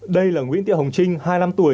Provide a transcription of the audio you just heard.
đây là nguyễn tị hồng trinh hai mươi năm tuổi